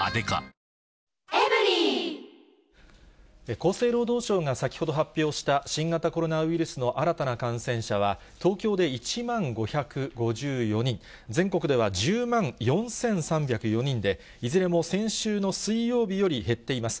厚生労働省が先ほど発表した新型コロナウイルスの新たな感染者は、東京で１万５５４人、全国では１０万４３０４人で、いずれも先週の水曜日より減っています。